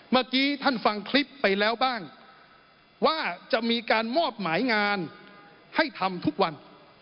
เมื่อกี้ท่านฟังคลิปไปแล้วบ้างว่าจะมีการมอบหมายงานให้ทำทุกวัน